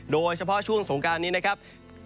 โดยเฉพาะช่วงสงการนี้นะครับ